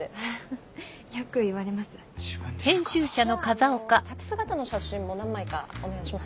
じゃあ立ち姿の写真も何枚かお願いします。